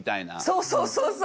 そうそうそうそう！